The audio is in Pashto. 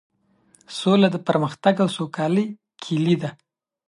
سوله د پرمختګ او سوکالۍ کيلي ده.